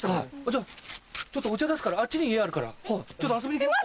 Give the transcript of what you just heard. じゃあちょっとお茶出すからあっちに家あるからちょっと遊びに来な。